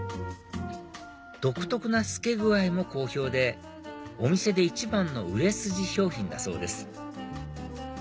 独特な透け具合も好評でお店で一番の売れ筋商品だそうです